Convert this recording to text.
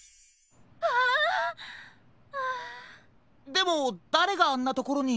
でもだれがあんなところに？